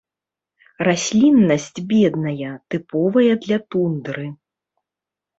Расліннасць бедная, тыповая для тундры.